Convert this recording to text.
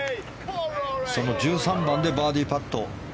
その１３番でバーディーパット。